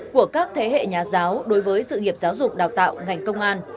của các thế hệ nhà giáo đối với sự nghiệp giáo dục đào tạo ngành công an